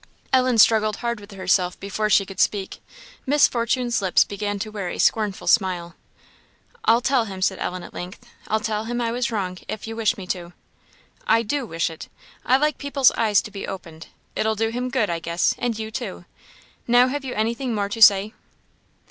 Ellen struggled hard with herself before she could speak; Miss Fortune's lips began to wear a scornful smile. "I'll tell him!" said Ellen, at length; "I'll tell him I was wrong, if you wish me to." "I do wish it. I like people's eyes to be opened. It'll do him good, I guess, and you too. Now, have you anything more to say?"